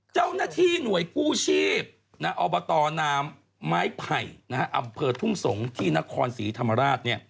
เจ้าหน้าที่หน่วยกู้ชีพอบตนามไม้ไผ่อำเภอทุ่งสงศ์ที่นครศรีธรรมราช